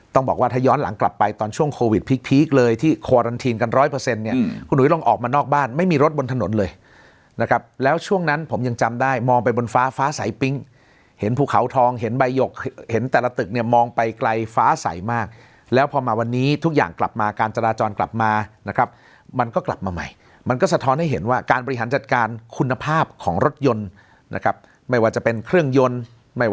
ต้องบอกว่าถ้าย้อนหลังกลับไปตอนช่วงโควิดพีคเลยที่ควารันทีนกัน๑๐๐เนี่ยคุณหนุ่ยต้องออกมานอกบ้านไม่มีรถบนถนนเลยนะครับแล้วช่วงนั้นผมยังจำได้มองไปบนฟ้าฟ้าใสปิ๊งเห็นภูเขาทองเห็นใบหยกเห็นแต่ละตึกเนี่ยมองไปไกลฟ้าใสมากแล้วพอมาวันนี้ทุกอย่างกลับมาการจราจรกลับมานะครับมันก็กลับมาให